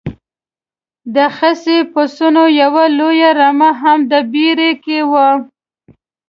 د خسي پسونو یوه لویه رمه هم په بېړۍ کې وه.